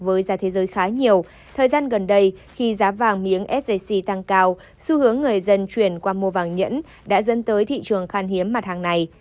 với giá thế giới khá nhiều thời gian gần đây khi giá vàng miếng sjc tăng cao xu hướng người dân chuyển qua mua vàng nhẫn đã dẫn tới thị trường khan hiếm mặt hàng này